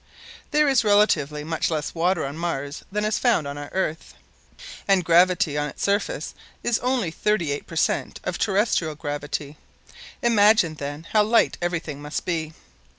There is relatively much less water on Mars than is found on our Earth, and gravity on its surface is only thirty eight per cent. of terrestrial gravity. Imagine, then, how light everything must be.